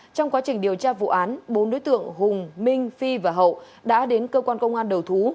trong quá trình điều tra vụ án bốn đối tượng hùng minh phi và hậu đã đến cơ quan công an đầu thú